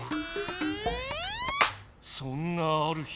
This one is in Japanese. そんなある日。